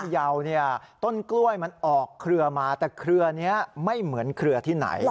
ยาวเนี่ยต้นกล้วยมันออกเครือมาแต่เครือนี้ไม่เหมือนเครือที่ไหน